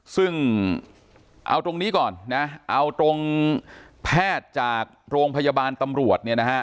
ซึ่งเอาตรงนี้ก่อนเอาตรงแพทย์จากโรงพยาบาลตำรวจ